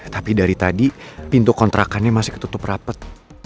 tapi dari tadi pintu kontrakannya masih ketutup rapat